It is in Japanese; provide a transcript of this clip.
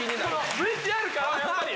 ＶＴＲからやっぱり。